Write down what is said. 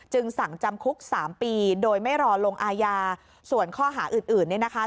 สั่งจำคุก๓ปีโดยไม่รอลงอาญาส่วนข้อหาอื่นอื่นเนี่ยนะคะ